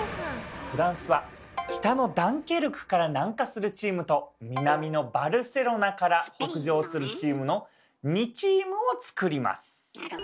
フランスは北のダンケルクから南下するチームと南のバルセロナから北上するチームの２チームを作ります。